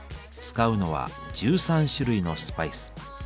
使うのは１３種類のスパイス。